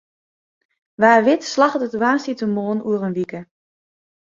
Wa wit slagget it woansdeitemoarn oer in wike.